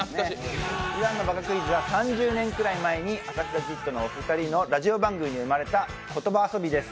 「言わんのバカクイズ」は３０年ぐらい前に浅草キッドのラジオ番組で生まれた言葉遊びです。